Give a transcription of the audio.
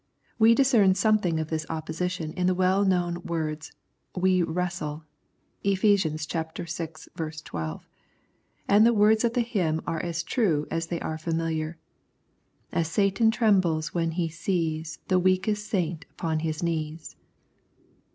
We discern something of this opposition in the well known words, " We wrestle " (Eph. vi. 1 2) ; and the words of the hymn are as true as they are familiar — And Satan trembles when he sees The weakest saint upon his knees.'